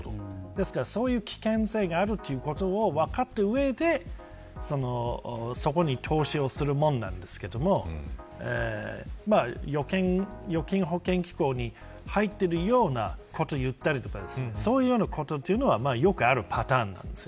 そういう危険性があるということを分かった上でそこに投資をするものなんですけど預金保険機構に入っているようなことを言ったりそういうようなことはよくあるパターンなんです。